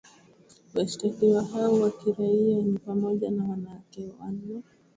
Washtakiwa hao wa kiraiaa ni pamoja na wanawake wane